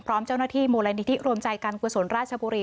พร้อมเจ้าหน้าที่มูลนิธิรวมใจการกุศลราชบุรี